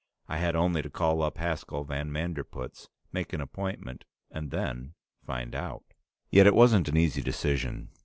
I had only to call up Haskel van Manderpootz, make an appointment, and then find out. Yet it wasn't an easy decision.